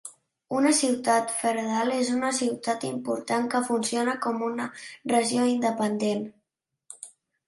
Una ciutat federal és una ciutat important que funciona com a una regió independent.